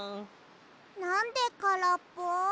なんでからっぽ？